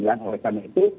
dan oleh karena itu